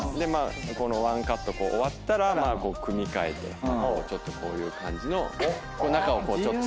このワンカット終わったら組み替えてちょっとこういう感じの中をちょっと見せたりとか。